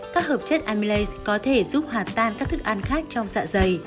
các hợp chất amylase có thể giúp hạt tan các thức ăn khác trong dạ dày